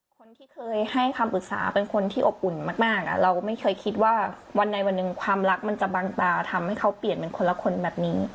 คนที่เคยให้คำปรึกษาเป็นคนที่อบอุ่นมากเราก็ไม่เคยคิดว่าวันใดวันหนึ่งความรักมันจะบังตาทำให้เขาเปลี่ยนเป็นคนละคนแบบนี้